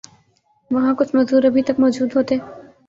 وہاں کچھ مزدور ابھی تک موجود ہوتے